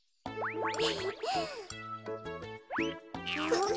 うん？